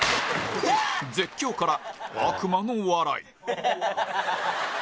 絶叫から悪魔の笑い